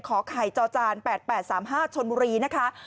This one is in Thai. ไข่จอจาน๘๘๓๕ชนบุรีนะคะ